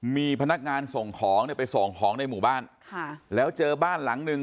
มีพนักงานส่งของเนี่ยไปส่งของในหมู่บ้านค่ะแล้วเจอบ้านหลังหนึ่ง